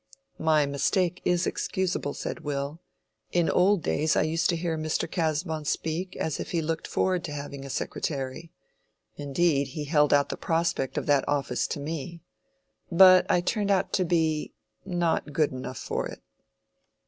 "My mistake is excusable," said Will. "In old days I used to hear Mr. Casaubon speak as if he looked forward to having a secretary. Indeed he held out the prospect of that office to me. But I turned out to be—not good enough for it."